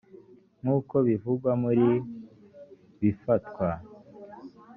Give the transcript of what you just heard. nk uko bivugwa muri bifatwa